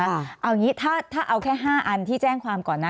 เอาอย่างนี้ถ้าเอาแค่๕อันที่แจ้งความก่อนนะ